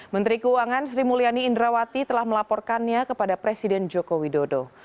menteri keuangan sri mulyani indrawati telah melaporkannya kepada presiden joko widodo